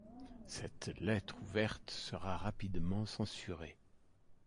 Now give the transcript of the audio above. Cette lettre ouverte sera rapidement censurée.